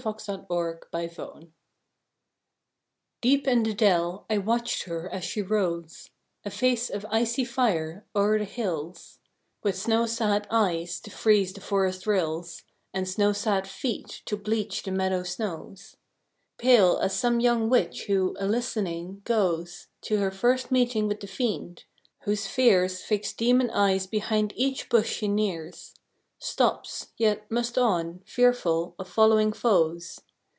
THE WINTER MOON Deep in the dell I watched her as she rose, A face of icy fire, o'er the hills; With snow sad eyes to freeze the forest rills, And snow sad feet to bleach the meadow snows: Pale as some young witch who, a listening, goes To her first meeting with the Fiend; whose fears Fix demon eyes behind each bush she nears; Stops, yet must on, fearful of following foes.